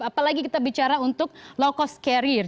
apalagi kita bicara untuk low cost carrier